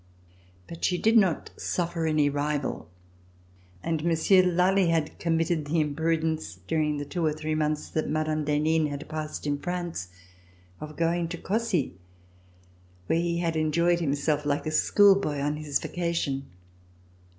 But she did not suffer any rival and Monsieur de Lally had committed the imprudence, during the two or three months that Mme. d'Henin had passed in France, of going to Cossey where he had enjoyed himself like a school boy on his vacation.